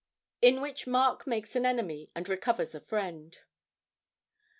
IN WHICH MARK MAKES AN ENEMY AND RECOVERS A FRIEND.